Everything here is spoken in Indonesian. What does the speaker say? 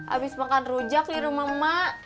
abis makan rujak di rumah emak